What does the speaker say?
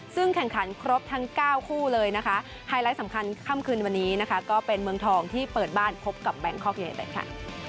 ซึ่งแข่งขันครบทั้ง๙คู่เลยนะคะไฮไลท์สำคัญค่ำคืนวันนี้นะคะก็เป็นเมืองทองที่เปิดบ้านพบกับแบงคอกยูเนเต็ดค่ะ